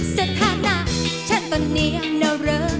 สถานะฉันตอนนี้ยังนะเรอ